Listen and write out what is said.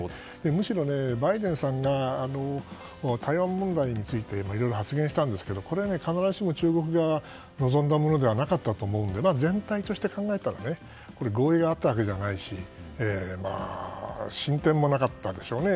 むしろバイデンさんが台湾問題についていろいろ発言したんですけどこれは、必ずしも中国側が望んだものではなかったと思うので全体として考えたら合意があったわけじゃないし進展もなかったんでしょうね。